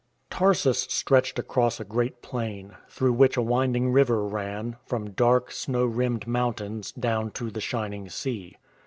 Tarsus stretched across a great plain, through which a winding river ran, from dark, snow rimmed moun tains, down to the shining sea.